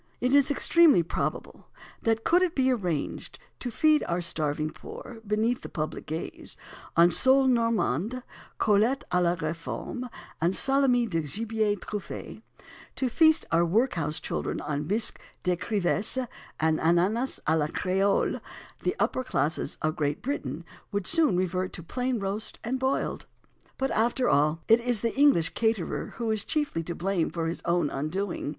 It is extremely probable that, could it be arranged to feed our starving poor, beneath the public gaze, on sôles Normandes, côtelettes à la Reform, and salmi de gibier truffé; to feast our workhouse children on bisque d'écrévisses and Ananas à la Créole, the upper classes of Great Britain would soon revert to plain roast and boiled. But after all it is the English caterer who is chiefly to blame for his own undoing.